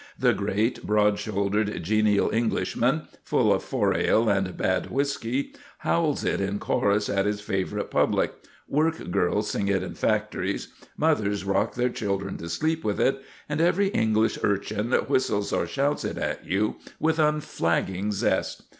The great, broad shouldered, genial Englishman, full of four ale and bad whisky, howls it in chorus at his favourite "public," work girls sing it in factories, mothers rock their children to sleep with it, and every English urchin whistles or shouts it at you with unflagging zest.